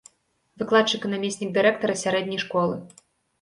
Выкладчык і намеснік дырэктара сярэдняй школы.